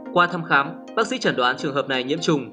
qua thăm khám bác sĩ chẩn đoán trường hợp này nhiễm trùng